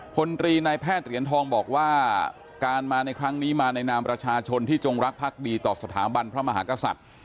พลตรีนายแพทย์เหรียญทองบอกว่าการมาในครั้งนี้มาในนามประชาชนที่จงรักภักดีต่อสถาบันพระมหากษัตริย์